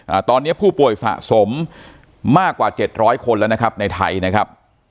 อ่าตอนเนี้ยผู้ป่วยสะสมมากกว่าเจ็ดร้อยคนแล้วนะครับในไทยนะครับ